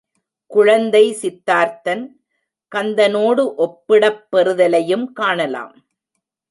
குழந்தை சித்தார்த்தன் கந்தனோடு ஒப்பிடப்பெறுதலையும் காணலாம்.